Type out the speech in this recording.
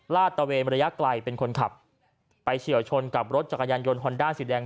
ตะเวนระยะไกลเป็นคนขับไปเฉียวชนกับรถจักรยานยนต์ฮอนด้าสีแดง